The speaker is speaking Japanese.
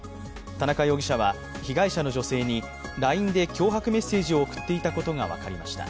田中容疑者は被害者の女性にＬＩＮＥで脅迫メッセージを送っていたことが分かりました。